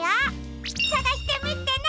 さがしてみてね！